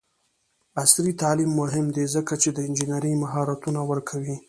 عصري تعلیم مهم دی ځکه چې د انجینرۍ مهارتونه ورکوي.